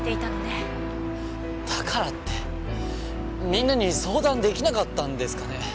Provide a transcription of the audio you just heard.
だからってみんなに相談出来なかったんですかね？